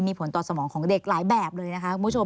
มีผลต่อสมองของเด็กหลายแบบเลยนะคะคุณผู้ชม